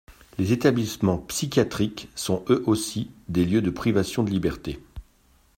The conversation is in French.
Les établissements psychiatriques sont, eux aussi, des lieux de privation de liberté.